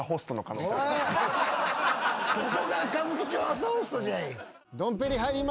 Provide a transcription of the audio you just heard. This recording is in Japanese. どこが歌舞伎町朝ホストじゃい！